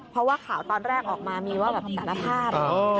เพราะว่าข่าวตอนแรกออกมามีว่าแบบสารภาพ